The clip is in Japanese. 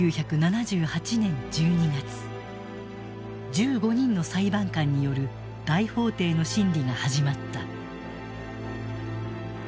１５人の裁判官による大法廷の審理が始まった。